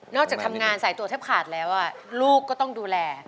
จากทำงานสายตัวแทบขาดแล้วลูกก็ต้องดูแล